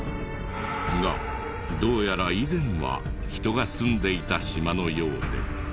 がどうやら以前は人が住んでいた島のようで。